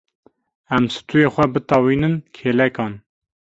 Em stûyê xwe bitewînin kêlekan.